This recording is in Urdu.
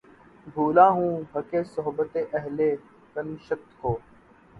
بھولا ہوں حقِ صحبتِ اہلِ کنشت کو